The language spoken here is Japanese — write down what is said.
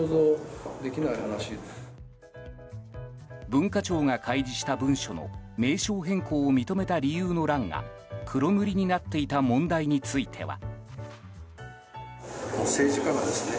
文化庁が開示した文書の名称変更を認めた理由の欄が黒塗りになっていた問題については。